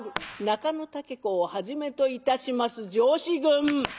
中野竹子をはじめといたします娘子軍。